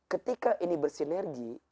ketika ini bersinergi